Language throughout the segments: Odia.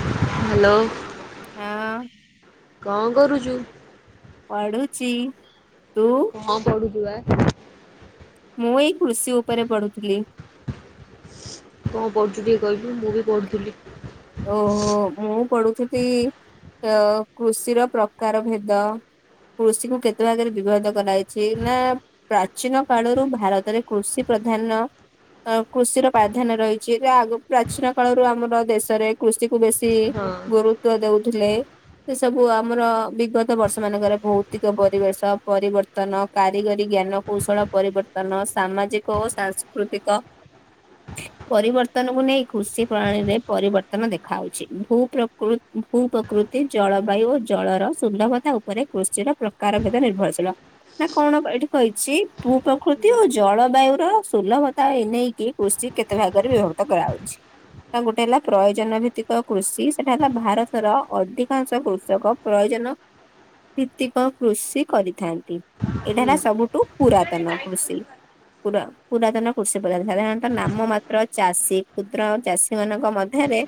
ହ୍ୟାଲୋ। ହଁ। କଣ କରୁଛୁ? ପଢ଼ୁଛିି ତୁ କଣ ପଢୁଚୁ ବା? ମୁଁ ଏଇ କୃଷି ଉପରେ ପଢୁଥିଲି। କଣ ପଢୁଛୁ ଟିକେ କହିଲୁ ମୁଁ ବି ପଢ଼ୁଥିଲି। ଓହୋ ମୁଁ ପଢ଼ୁଥିଲି ଅ କୃଷିର ପ୍ରକାର ଭେଦ। କୃଷିକୁ କେତେ ଭାଗରେ ବିଭାର୍ଯ୍ୟ କରାଯାାଇଛି ନା ପ୍ରାଚୀନ କାଳରୁ ଭାରତରେ କୃଷି ପ୍ରଧାନ ଅ କୃଷିର ପ୍ରାଧାନ୍ୟ ରହିଛି କେତେ ଆଗରୁ ପ୍ରାଚୀନ କାଳରୁ ଆମର ଦେଶ ରେ କୃଷି କୁ ବେଶୀ ହଁ। ଗୁରୁତ୍ୱ ଦଉଥିଲେ। ସେ ସବୁ ଆମର ବିଗତ ବର୍ଷ ମାନଙ୍କରେ ଭୌତିକ ପରିବେଶ ପରିବର୍ତ୍ତ ତନ କାରିଗରୀ ଜ୍ଞାନ କୌଶଳ ପରିବର୍ତ୍ତନ ସାମାଜିକ ଓ ସାଂସ୍କୃତିକ ପରିବର୍ତ୍ତନକୁ ନେଇ କୃଷି ପ୍ରଣାଳୀରେ ପରିବର୍ତ୍ତନ ଦେଖାଯାଉଛି ଭୁ ପ୍ରକୃ ଭୂ ପ୍ରକୃତି ଜଳବାୟୁ ଓ ଜଳର ସୁନ୍ଦରତା ଉପ ପରେ କୃଷିର ପ୍ରକାର ଭେଦ ନିର୍ଭରଶୀଳ ନା କଣ ଏଇଠି କହିଛି ଭୂ ହୁଁ ପ୍ରକୃତି ହୁଁ ଓ ଜଳବାୟୁ ର ସୁଲଭ ତ ଏ ନେଇେଇକି କୃଷି କେତେ ଭାଗରେ ବ୍ୟବହୃତ କରାହାଉଛି ତା ଗୋଟେ ହେଲା ପ୍ରୟୋଜନ ଭିତ୍ତିକ କୃଷି ସେଟା ହେଲା ଭାରତର ଅଧିକାଂଶ କୃଷକ ପ୍ରୟୋଜନ ଭିତ୍ତିକ କୃଷି କରିଥାନ୍ତି ଏଇଟା ହୁଁ ହେଲା ସବୁଠୁ ପୁରାତନ କୃଷି। ପୁର ପୁରାତନ କୃଷି ପ୍ରଧାନ ସାଧାରଣତଃ ନାମ ମାତ୍ର ଚାଷୀ କ୍ଷୁଦ୍ର ଚାଷୀମାନଙ୍କ ମ ଧ୍ୟରେ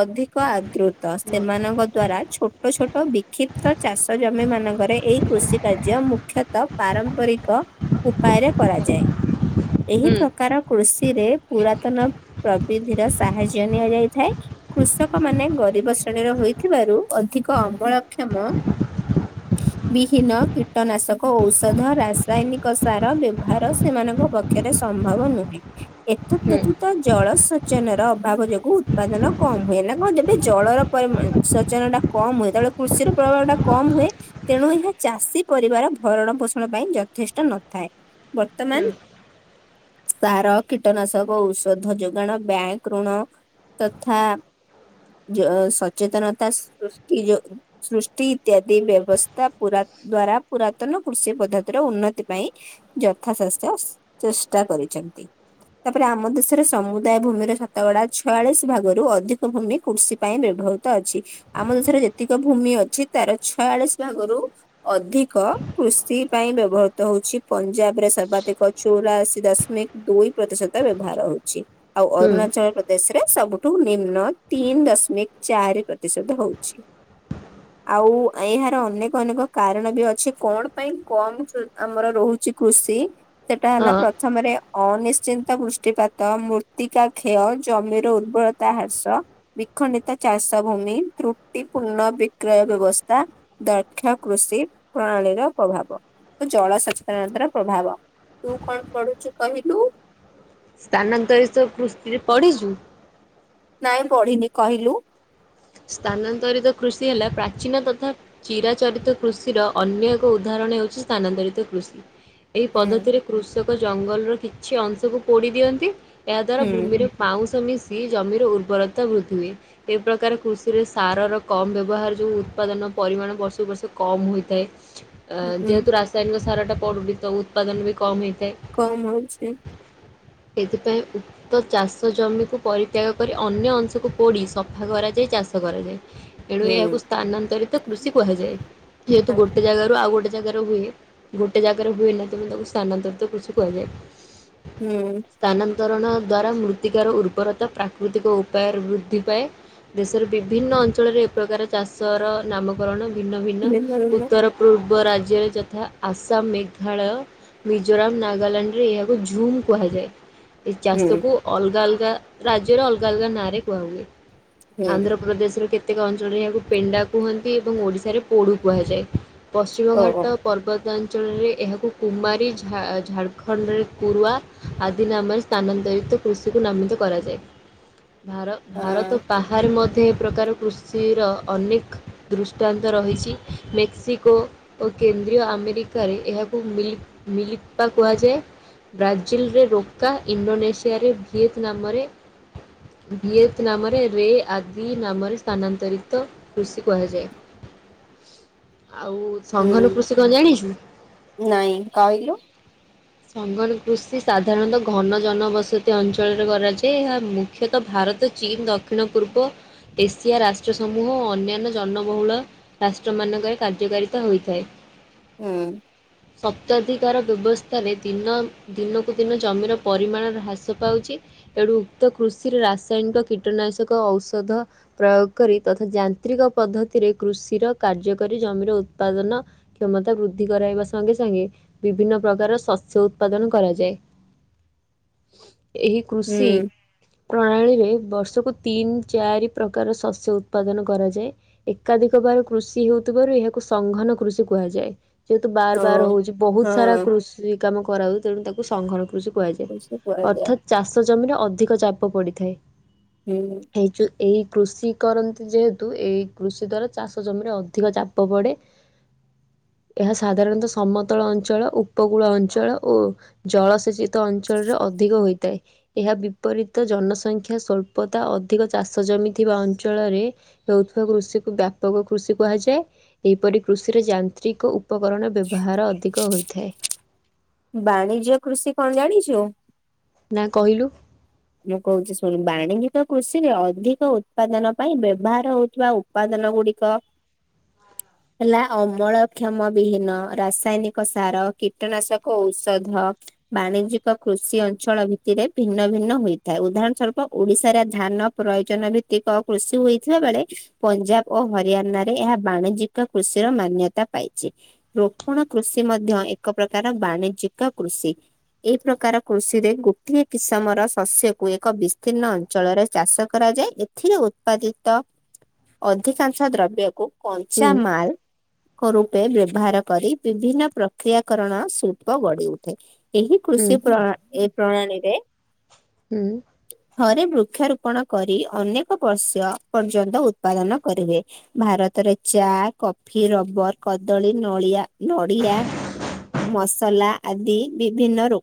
ଅଧିକ ଆଦୃତ ସେମାନଙ୍କ ଦ୍ଵାରା ଛୋଟ ଛୋଟ ବିକ୍ଷିପ୍ତ ଚାଷ ଜମି ମାନଙ୍କରେ ଏଇ କୃଷି କାର୍ଯ୍ୟ ମୁଖ୍ୟତଃ ପାରମ୍ପରିକ ଉପାୟରେ କରାଯାଏ। ଏହି ହୁଁ ପ୍ରକାର କୃଷିରେ ପୁରାତନ ପ୍ରବିଧିର ସାହାଯ୍ୟ ନିଆଯାଏ ଥାଏ କୃଷକମାନେ ଗରିବ ଶ୍ରେଣୀର ହୋଇଥିବାରୁ ଅଧିକ ଅମଳକ୍ଷମ ବିହୀନ କୀଟନାଶକ ଔଷଧ ରାସାୟନିକ ସାର ବ୍ୟବହାର ସେମାନଙ୍କ ପାଖରେ ସମ୍ଭବ ନୁହେଁ ଏତଦ୍ ବ୍ୟତୀତ ଜଳସେଚନର ଅଭାବ ଯୋଗୁଁ ଉତ୍ପାଦନ କମ ହୁଏ ନା କଣ ଯେବେ ଜଳର ପରିମ ସେଚନଟା କମ ହୁଏ ସେତେବେଳେ କୃଷିର ପ୍ରଭାବ ଟା କମ ହୁଏ। ତେଣୁ ଏହା ଚାଷୀ ପରିବାର ଭରଣ ପୋଷଣ ପାଇଁ ଯଥେଷ୍ଟ ନଥାଏ। ବର୍ତ୍ତମାନ- ହୁଁ ସାର କୀଟନାଶକ ଔଷଧ ଯୋଗାଣ ବ୍ୟାଙ୍କ ଋଣ ତଥା ଜ ସଚେତନତା ସୃଷ୍ଟି ଯୋ ସୃଷ୍ଟି ଇତ୍ୟାଦି ବ୍ୟବସ୍ଥା ପୁର ଦ୍ଵାରା ପୁରାତନ କୃଷି ପଦ୍ଧତିର ଉନ୍ନତି ପାଇଁ ଯଥାଶେଚ ଚେଷ୍ଟା କରିଛନ୍ତି। ତାପରେ ଆମ ଦେଶରେ ସମୁଦାୟ ଭୂମିର ଶତଗଡା ଅଛି। ଛୟାଳିଶ ଭାଗରୁ ଅଧିକ ଭୂମି କୃଷି ପାଇଁ ବ୍ୟବହୃତ ଅଛି। ଆମ ଦେଶରେ ଯେତିକ ଭୂମି ଅଛି ତାର ଛୟାଳିଶ ଭାଗରୁ ଅଧିକ କୃଷି ପାଇଁ ବ୍ୟବହୃତ ହଉଛି ପଞ୍ଜାବ ରେ ସର୍ବାଧିକ ଚଉରାଅଶୀ ଦଶମିକ ଦୁଇ ପ୍ରତିଶତ ବ୍ୟବହାର ହଉଛି ଆଉ ଅରୁଣାଚଳ ପ୍ର ଦେଶରେ ସବୁଠୁ ନିମ୍ନ ତିନି ଦଶମିକ ଚାରି ପ୍ରତିଶତ ହଉଛି। ଆଉ ଏହାର ଅନେକ ଅନେକ କାରଣ ବି ଅଛି କଣ ପାଇଁ କମ ଆମର ରହୁଛି କୃଷି ସେଟା ହେଲା ହଁ ପ୍ରଥମରେ ଅନିଶ୍ଚିନ୍ତ ବୃଷ୍ଟିପାତ ମୃର୍ତ୍ତିକା କ୍ଷୟ ଜମିର ଉର୍ବରତା ହ୍ରାସ ବିଖଣ୍ଡିତ ଚାଷ ଭୂମି ତ୍ରୁଟି ପୂର୍ଣ୍ଣ ବିକ୍ରୟ ବ୍ୟବସ୍ଥା ଦକ୍ଷ କୃଷି ପ୍ରଣାଳୀର ପ୍ରଭାବ ଓ ଜଳ ସଚେତନତା ର ପ୍ରଭାବ ତୁ କଣ ପଢୁଛୁ କହିଲୁ? ସ୍ଥାନାନ୍ତରିତ କୃଷି ରେ ପଡିଛୁ? ନାଇଁ ପଢିନି କହିଲୁ? ସ୍ଥାନାନ୍ତରିତ କୃଷି ହେଲା ପ୍ରାଚୀନ ତଥା ଚିରାଚରିତ କୃଷିର ଅନ୍ୟ ଏକ ଉଦାହରଣ ହେଉଛି ସ୍ଥାନାନ୍ତରିତ କୃଷି। ଏହି ହୁଁ ପଦ୍ଧତିରେ କୃଷକ ଜଙ୍ଗଲର କିଛି ଅଂଶକୁ ପୋଡି ଦିଅନ୍ତି ଏହା ଦ୍ଵାରା ହୁଁ ଭୂମିରେ- ପାଉଁସ ମିଶି ଜମିର ଉର୍ବରତା ବୃଦ୍ଧି ହୁଏ ଏ ପ୍ରକାର କୃଷ ସେଥିରେ ସାରର କମ୍ ବ୍ୟବହାର ଯଉ ଉତ୍ପାଦନ ପରିମାଣ ବର୍ଷକୁ ବର୍ଷ କମ୍ ହୋଇଥାଏ। ଅ ହୁଁ ଯେହେତୁ ରାସାୟନିକ ସାରଟା ପଡ଼ୁନି ତ ଉତ୍ପାଦନ ବି କମ୍ ହେଇଥାଏ। କମ ହଉଛି? ଏଥିପାଇଁ ଉ ତ ଚାଷ ଜମିକୁ ପରିତ୍ୟାଗ କରି ଅନ୍ୟ ଅଂଶକୁ ପୋଡି ସଫା କରାଯାଇ ଚାଷ ଚାଷ କରାଯାଏ ଏଣୁ ହୁଁ ଏହାକୁ ସ୍ଥାନାନ୍ତରିତ କୃଷି କୁହାଯାଏ। ଯେହେତୁ ଗୋଟେ ଜାଗାରୁ ଆଉ ଗୋଟେ ଜାଗାରେ ହୁଏ। ଗୋଟେ ଜାଗାରେ ହୁଏ ନା ତେଣୁ ତାକୁ ସ୍ଥାନାନ୍ତରିତ କୃଷି କୁହାଯାଏ। ହୁଁ। ସ୍ଥାନାନ୍ତରଣ ଦ୍ଵାରା ମୃତ୍ତିକାର ଉର୍ବରତା ପ୍ରାକୃତିକ ଉପାୟରେ ବୃଦ୍ଧି ପାଏ। ତାର ବିଭିନ୍ନ ଅଞ୍ଚଳରେ ଏ ପ୍ରକାର ଚାଷର ନାମକରଣ ଭିନ୍ନ ଭିନ୍ନ ହୁଁ ଉତ୍ତର ପୂର୍ବ ରାଜ୍ୟରେ ଯଥା ଆସାମ ମେଘାଳୟ ମିଜୋରାମ ନାଗାଲାଣ୍ଡରେ ଏହାକୁ ଝୁମ୍ କୁହାଯାଏ। ଏ ହୁଁ ଚାଷ କୁ ଅଲଗା ଅଲଗା ରାଜ୍ୟରେ ଅଲଗା ଅଲଗା ନାଁ ରେ କୁହା ହୁଏ। ଆନ୍ଧ୍ରପ୍ରଦେଶର କେତେକ ଅଞ୍ଚଳରେ ଏହାକୁ ପେଣ୍ଡା କୁହନ୍ତି ଏବଂ ଓଡ଼ିଶାରେ ପୋଡୁ କୁହାଯାଏ। ପଶ୍ଚିମ ଘାଟ ପର୍ବତାଞ୍ଚଳରେ ଏହାକୁ କୁମାରୀ ଝା ଝାଡ଼ଖଣ୍ଡରେ କୁରୁଆ ଆଦିି ନାମରେ ସ୍ଥାନାନ୍ତରିତ କୃଷିକୁ ନାମିତ କରାଯାଏ। [unintelligible] ଭାର ଭାରତ ବାହାରେ ମଧ୍ୟ ଏ ପ୍ରକାର କୃଷିର ଅନେକ ଦୃଷ୍ଟାନ୍ତ ରହିଛି ମେକ୍ସିକୋ ଓ କେନ୍ଦ୍ରୀୟ ଆମେରିକାରେ ଏହାକୁ ମିଲିପ୍ ମିଳିପ ବା କୁହାଯାଏ। ବ୍ରାଜିଲିରେ ରୋକା ଇଣ୍ଡୋନେସିଆରେ ଭିଏତ ନାମରେ ଭିଏତ ନାମରେ ରେ ଆଦି ନାମରେ ସ୍ଥାନାନ୍ତରିତ କୃଷି କୁହାଯାଏ ଆଉ ସଂଙ୍ଘନ କୃଷି କଣ ଜାଣିଛୁ? ନାଇଁ କହିଲୁ ସଙ୍ଗନ କୃଷି ସାଧାରଣତଃ ଘନ ଜନବସତି ଅଞ୍ଚଳରେ କରାଯାଏ ଏହା ମୁ ମୁଖ୍ୟତଃ ଭାରତ ଚୀନ ଦକ୍ଷିଣ ପୂର୍ବ ଏସିଆ ରାଷ୍ଟ୍ର ସମୂହ ଓ ଅନ୍ୟାନ୍ୟ ଜନବହୁଳ ରାଷ୍ଟ୍ର ମାନଙ୍କରେ କାର୍ଯ୍ୟକାରିତା ହୋଇଥାଏ। ହଁ ସପ୍ତତାଧିକାର ବ୍ୟବସ୍ଥ ତରେ ଦିନ ଦିନକୁ ଦିନ ଜମିର ପରିମାଣରେ ହ୍ରାସ ପାଉଛି। ଏଣୁ ଉକ୍ତ କୃଷିରେ ରାସାୟନିକ କୀଟନାଶକ ଔଷଧ ପ୍ରୟୋଗ କରି ତଥା ଯାନ୍ତ୍ରିକ ପଦ୍ଧତିରେ କୃଷିର କାର୍ଯ୍ୟ କରି ଜମିର ଉତ୍ପାଦନ କ୍ଷମତା ବୃଦ୍ଧି କରାଇବା ସଙ୍ଗେ ସଙ୍ଗେ ବିଭିନ୍ନ ପ୍ରକାର ଶସ୍ୟ ଉତ୍ପାଦନ କରାଯାଏ। ଏହି କୃଷି ପ୍ରଣାଳୀରେ ବର୍ଷକୁ ତିନି ଚାରି ପ୍ରକାର ଶସ୍ୟ ଉତ୍ପାଦନ କରାଯାଏ। ଏକାଧିକ ବାର କୃଷି ହେଉଥିବାରୁ ଏହାକୁ ସଂଘନ କୃଷି କୁହାଯାଏ। ଯେହେତୁ ବାର ବାର ହଉଛି ବହୁତ୍ ସାରା କୃଷି କାମ କରାହଉଛି ତେଣୁ ତାକୁ ସଂଘର କୃଷି କୁହାଯାଏ। ଅର୍ଥାତ ଚାଷ ଜମିରେ ଅଧିକ ଚାପ ପଡିଥାଏ। ହୁଁ। ସେଇଥି ପାଇଁ ଏଇ କୃଷି କରନ୍ତି ଯେହେତୁ ଏଇ କୃଷି ଦ୍ୱାରା ଚାଷ ଜମିରେ ଅଧିକ ଚାପ ପଡ଼େ। [inaudible] ଏହା ସାଧାରଣତଃ ସମତଳ ଅଞ୍ଚଳ ଉ ଉପକୂଳ ଅଞ୍ଚଳ ଓ ଜଳସେଚିତ ଅଞ୍ଚଳରେ ଅଧିକ ହୋଇଥାଏ। ଏହା ବିପରୀତ ଜନସଂଖ୍ୟା ସ୍ୱଳ୍ପତା ଅଧିକ ଚାଷ ଜମି ଥିବା ଅଞ୍ଚଳରେ ହେଉଥିବା କୃଷିକୁ ବ୍ୟାପକ କୃଷି କୁହାଯାଏ ଏହିପରି କୃଷିରେ ଯାନ୍ତ୍ରିକ ଉ ଉପକରଣ ବ୍ୟବହାର ଅଧିକ ହୋଇଥାଏ। ବାଣିଜ୍ୟ କୃଷି କଣ ଜାଣିଛ? ନା। କହିଲୁ? ମୁଁ କହୁଛି ଶୁଣୁ ବାଣିଜ୍ୟିକ କୃଷିରେ ଅଧିକ ଉତ୍ପାଦନ ପାଇଁ ବ୍ୟବହାର ହଉଥିବା ଉ ତ୍ପାଦନ ଗୁଡ଼ିକ ହେଲା ଅମଳକ୍ଷମ ବିହୀନ ରାସାୟନିକ ସାର କୀଟନାଶକ ଔଷଧ ବାଣିଜ୍ୟକ କୃଷି ଅଞ୍ଚଳ ଭିତ୍ତିରେ ଭିନ୍ନ ଭିନ୍ନ ହୋଇଥାଏ। ଉଦାହରଣ ସ୍ଵରୂପ ଓଡିଶାରେ ଧାନ ପ୍ରୟୋଜନ ଭିତ୍ତିକ କୃଷି ହୋଇଥିବା ବେଳେ ପଞ୍ଜାବ ଓ ହରିୟାନା ରେ ଏହା ବାଣିଜ୍ୟିକ କୃଷିର ମାନ୍ୟତା ପାଇଛି। ରୋପଣ କୃଷି ମଧ୍ୟ ଏକ ପ୍ରକାର ବାଣିଜ୍ୟିକ କୃଷି। ଏଇ ପ୍ରକାର କୃଷିରେ ଗୋଟିଏ କିସମର ଶସ୍ୟକୁ ଏକ ବିସ୍ତୀର୍ଣ୍ଣ ଅଞ୍ଚଳରେ ଚାଷ କରାଯାଏ। ଏଥିରେ ଉତ୍ପାଦିତ ଅଧିକାଂଶ ଦ୍ରବ୍ୟକୁ କଞ୍ଚା ହୁଁ, ମାଲ୍ କ ରୂପେ ବ୍ୟବହାର କରି ବିଭିନ୍ନ ପ୍ରକ୍ରିୟାକରଣ ଶିଳ୍ପ ଗଢି ଉଠେ ଏହି ହୁଁ, କୃଷି ପ୍ର ଏ ପ୍ରଣାଳୀରେ ହୁଁ। ଥରେ ବୃକ୍ଷରୋପଣ କରି ଅନେକ ବର୍ଷ ପର୍ଯ୍ୟନ୍ତ ଉତ୍ପାଦନ କରିବେ‌। ଭାରତରେ ଚା କଫି ରବର କଦଳୀ ନଳିଆ ନଡ଼ିଆ ମସଲା ଆଦି ବିଭିନ୍ନ ରୋ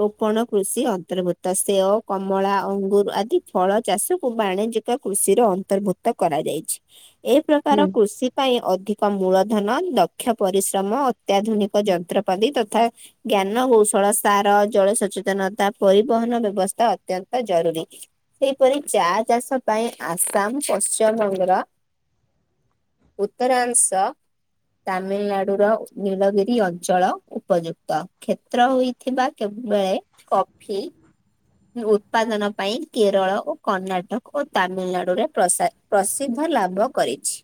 ରୋପଣ କୃଷି ଅନ୍ତର୍ଭୁତ। ସେଓ କମଳା ଅଙ୍ଗୁର ଆଦି ଫଳ ଚାଷକୁ ବାଣିଜ୍ୟିକ କୃଷିର ଅନ୍ତର୍ଭୁ କ୍ତ କରାଯାଇଛି। ଏ ହୁଁ, ପ୍ରକାର କୃଷି ପାଇଁ ଅଧିକ ମୂଳଧନ ଦକ୍ଷ ପରିଶ୍ରମ ଅତ୍ୟାଧୁନିକ ଯନ୍ତ୍ରପାତି ତଥା ଜ୍ଞାନ କୌଶଳ ସାର ଜଳ ସଚେତନତା ପରିବହନ ବ୍ୟବସ୍ଥା ଅତ୍ୟନ୍ତ ଜରୁରୀ। ସେଇପରି ଚା ଚାଷ ପାଇଁ ଆସାମ ପଶ୍ଚିମବଙ୍ଗର ଉତ୍ତରାଂଶ ତାମିଲନାଡୁର ନୀଳଗିରି ଅଞ୍ଚଳ ଉପଯୁକ୍ତ। କ୍ଷେତ୍ର ହୋଇ ଥିବା କେବେ କଫି ଉତ୍ପାଦନ ପାଇଁ କେରଳ ଓ କର୍ଣ୍ଣାଟକ ଓ ତାମିଲନାଡୁରେ ପ୍ରସାର ପ୍ରସିଦ୍ଧ ଲାଭ କରିଛି।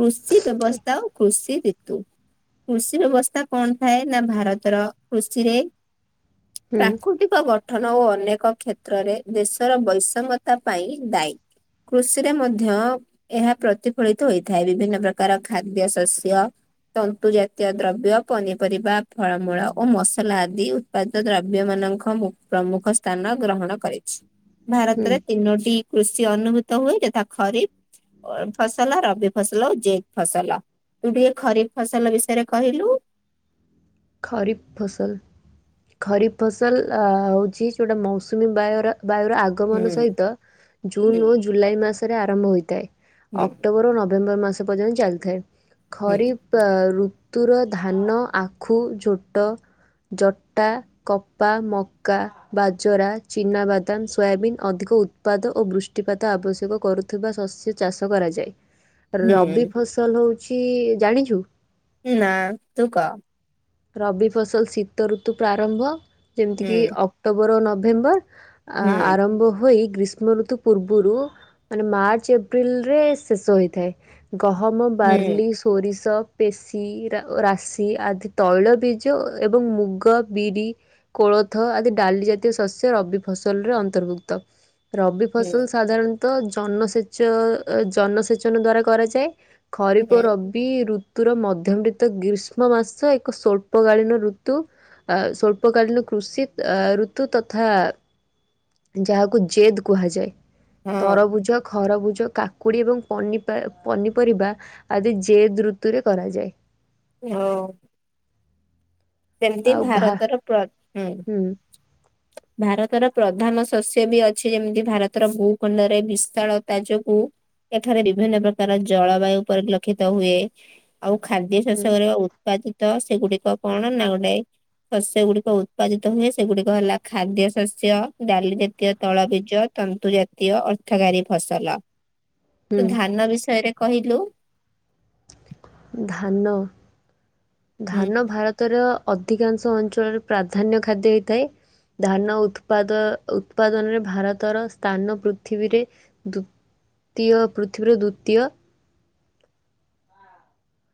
କୃଷି ବ୍ୟବସ୍ଥା ଓ କୃଷି ଋତୁ କୃଷି ବ୍ୟବସ୍ଥା କଣ ଥାଏ ନା ଭାରତର କୃଷିରେ ହୁଁ, ପ୍ରାକୃତିକ ଗଠନ ଓ ଅନେକ କ୍ଷେତ୍ରରେ ଦେଶର ବୈଷମ୍ୟତା ପାଇଁ ଦାୟୀ। କୃଷିରେ ମଧ୍ୟ ଏହା ପ୍ରତିଫଳିତ ହୋଇଥାଏ। ବିଭିନ୍ନ ପ୍ରକାର ଖାଦ୍ୟ ଶସ୍ୟ ତନ୍ତୁ ଜାତୀୟ ଦ୍ରବ୍ୟ ପନିପରିବା ଫଳମୂଳ ଓ ମସଲା ଆଦି ଉତ୍ପାଦିତ ଦ୍ରବ୍ୟ ମାନଙ୍କ ପ୍ରମୁ ପ୍ରମୁଖ ସ୍ଥାନ ଗ୍ରହଣ କରିଛି। ହୁଁ। ଭାରତରେ ତିନୋଟି କୃଷି ଅନୁଭୂତ ହୁଏ। ଯଥା ଖରିଫ ଅ ଫସଲ ରବି ଫସଲ ଓ ଜେକ୍ ଫସଲ। ତୁ ଟିକେ ଖରିଫ ଫସଲ ବିଷୟରେ କହିଲୁ? ଖରିଫ ଫସଲ। ଖରିଫ ଫସଲ ଅ ହଉଛି ଯୋଉଟା ମୌସୁମୀ ବାୟୁର ବାୟୁର ଆଗ ଆଗମନ ସହିତ ଜୁନ ହୁଁ ଓ ଜୁଲାଇ ମାସରେ ଆରମ୍ଭ ହୋଇଥାଏ। ହୁଁ ଅକ୍ଟୋବର ଓ ନଭେମ୍ବର ମାସ ପର୍ଯ୍ୟନ୍ତ ଚାଲିଥାଏ ହୁଁ ଖରିଫ ପା ଋତୁର ଧାନ ଆଖୁ ଝୋଟ ଜଟା କପା ମକା ବାଜରା ଚିନାବାଦାମ ସୋୟାବିନ୍ ଅଧିକ ଉ ଉତ୍ପାଦ ଓ ବୃଷ୍ଟିପାତ ଆବଶ୍ୟକ କରୁଥିବା ଶସ୍ୟ ଚାଷ କରାଯାଏ ହୁଁ। ରବି ଫସଲ ହଉଛି ଜାଣିଛୁ? ନା ତୁ କହ? ରବି ଫସଲ ଶୀତ ଋତୁ ପ୍ରାରମ୍ଭ ଯେମିତି କିି ହୁଁ ଅକ୍ଟୋବର ଓ ନଭେମ୍ବର। ଆ ହୁଁ ଆରମ୍ଭ ହୋଇ ଗ୍ରୀଷ୍ମ ଋତୁ ପୂର୍ବରୁ ମାନେ ମାର୍ଚ୍ଚ ଏପ୍ରିଲ ରେ ଶେଷ ହୋଇଥାଏ। ଗହମ ହୁଁ ବାର୍ଲି ସୋରିଷ ପେଶି ରା ରାଶି ଆଦି ତୈଳ ବୀଜ ଓ ଏବଂ ମୁଗ ବିରି କୋଳଥ ଆଦି ଡାଲି ଜାତୀୟ ଶସ୍ୟ ରବି ଫସଲରେ ଅନ୍ତର୍ଭୁକ୍ତ। ରବି ହୁଁ ଫସଲ ସାଧାରଣତଃ ଜନସେଚ ଜନସେଚନ ଦ୍ଵାରା କରାଯାଏ। ଖରିଫ ଓ ହୁଁ ରବି ଋତୁର ମଧ୍ୟମ ତ ଗ୍ରୀଷ୍ମ ମାସ ଏ ଏକ ସ୍ୱଳ୍ପ କାଳିନ ଋତୁ। ଅ ସ୍ଵଳ୍ପକାଳିନ କୃଷି ଆ ଋତୁ ତଥା ଯାହାକୁ ଜେଦ୍ କୁହାଯାଏ ହଁ ତରଭୁଜ ଖରଭୁଜ କାକୁଡ଼ି ଏବଂ ପ ପନିପରିବା ଆଦି ଜେଦ୍ ଋତୁରେ କରାଯାଏ। [unintelligible] ସେମ୍ତି ଆଉ ଭା ଭାରତର ପ୍ର ହୁଁ ଭାରତର ପ୍ରଧାନ ଶସ୍ୟ ବି ଅଛି ଯେମିତି ଭାରତର ଭୂଖଣ୍ଡରେ ବିଶାଳ ତାଜୋଗୁ ଏଠାରେ ବିଭିନ୍ନ ପ୍ରକାର ଜଳବାୟୁ ପରିଲକ୍ଷିତ ହୁଏ। ଆଉ ଖାଦ୍ୟ ହୁଁ ଶସକରେ ଉତ୍ପାଦିତ ସେଗୁଡିକ କଣ ନା ଗୋଟେ ଶସ୍ୟ ଗୁଡିକ ଉତ୍ପାଦିତ ହୁଏ ସେଗୁଡିକ ହେଲା ଖାଦ୍ୟ ଶସ୍ୟ ଡାଲି ଜାତୀୟ ତୈଳ ବିଜ ତନ୍ତୁ ଜାତୀୟ ଅର୍ଥଗାରୀ ଫସଲ। ହୁଁ ତୁ ଧାନ ବିଷୟରେ କହିଲୁ। ଧାନ ଧାନ ହୁଁ ଭାର ତର ଅଧିକାଂଶ ଅଞ୍ଚଳରେ ପ୍ରାଧାନ୍ୟ ଖାଦ୍ୟ ହୋଇଥାଏ। ଧାନ ଉତ୍ପାଦ ଉତ୍ପାଦନରେ ଭାରତର ସ୍ଥାନ ପୃଥିବୀରେ ଦୂ ତୀୟ ପୃଥିବୀର ଦ୍ଵିତୀୟ।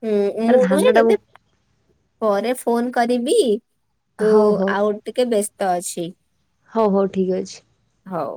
ହୁଁ ଆରେ ମୁଁ ନୁହେଁ ଧାନଟା ମୁଁ ତତେ ପରେ ଫୋନ କରିବି। ତୁ ହଉ ହଉ ଆଉ ଟିକେ ବ୍ୟସ୍ତ ଅଛି। ହଉ ହଉ ଠିକ୍ ଅଛି। ହଉ।